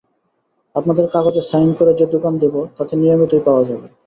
আপনাদের কাগজে সাইন করে যে দোকান দেবো, তাতে নিয়মিতই পাওয়া যাবে।